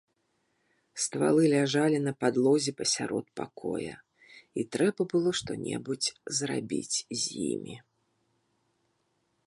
Ствалы ляжалі на падлозе пасярод пакоя, і трэба было што-небудзь зрабіць з імі.